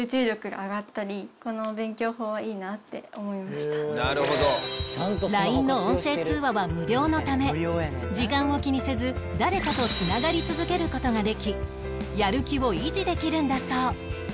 さらにＬＩＮＥ の音声通話は無料のため時間を気にせず誰かと繋がり続ける事ができやる気を維持できるんだそう